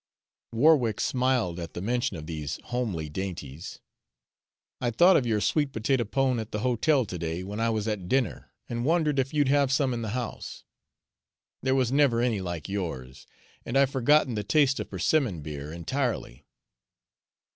Warwick smiled at the mention of these homely dainties. "I thought of your sweet potato pone at the hotel to day, when I was at dinner, and wondered if you'd have some in the house. There was never any like yours; and I've forgotten the taste of persimmon beer entirely."